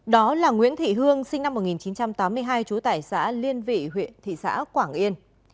đó là nguyễn thị hương sinh năm một nghìn chín trăm tám mươi hai trú tại xã liên vị huyện thị xã quảng yên